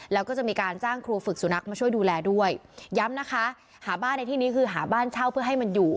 แล้วก็จะมีการจ้างครูฝึกสุนัขมาช่วยดูแลด้วยย้ำนะคะหาบ้านในที่นี้คือหาบ้านเช่าเพื่อให้มันอยู่